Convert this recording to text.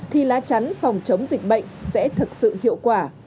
thì lá chắn phòng chống dịch bệnh sẽ thực sự hiệu quả